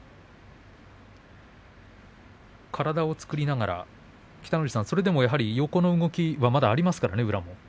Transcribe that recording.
体を作りながらそれでも横の動きがまだありますからね宇良も。